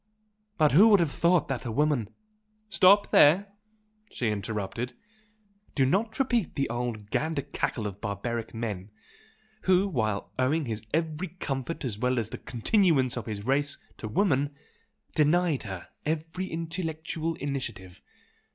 But who would have thought that a woman " "Stop there!" she interrupted "Do not repeat the old gander cackle of barbaric man, who, while owing his every comfort as well as the continuance of his race, to woman, denied her every intellectual initiative!